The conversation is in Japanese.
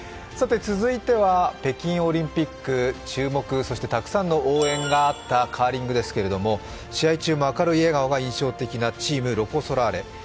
続いては北京オリンピック注目、そしてたくさんの応援があったカーリングですけれども、試合中も明るい笑顔が印象的なチーム、ロコ・ソラーレ。